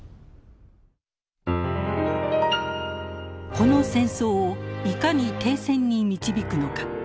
この戦争をいかに停戦に導くのか。